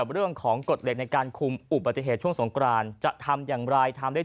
สรีผ่านิ